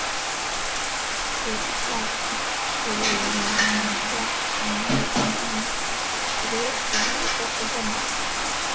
斯拉布城是位于美国加利福尼亚州因皮里尔县的一个非建制地区。